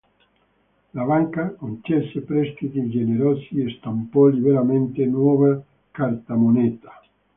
La banca concesse prestiti generosi e stampò liberamente nuova cartamoneta.